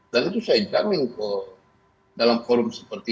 dan itu saya jamin ke dalam forum seperti